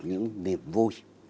những niềm vui